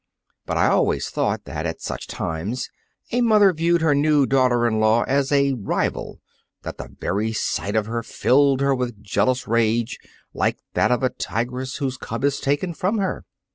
But I always thought that, at such times, a mother viewed her new daughter in law as a rival, that the very sight of her filled her with a jealous rage like that of a tigress whose cub is taken from her.